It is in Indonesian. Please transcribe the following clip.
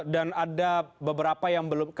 dan ada beberapa yang belum